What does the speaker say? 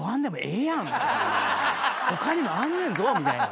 他にもあんねんぞみたいな。